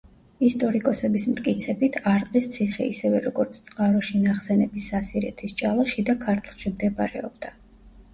ისტორიკოსების მტკიცებით არყის ციხე, ისევე როგორც წყაროში ნახსენები სასირეთის ჭალა, შიდა ქართლში მდებარეობდა.